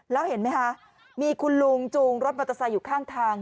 แล้วเห็นไหมคะมีคุณลุงจูงรถมอเตอร์ไซค์อยู่ข้างทาง